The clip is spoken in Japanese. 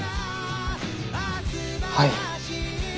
はい。